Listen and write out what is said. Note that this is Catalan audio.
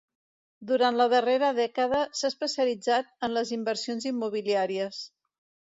Durant la darrera dècada s'ha especialitzat en les inversions immobiliàries.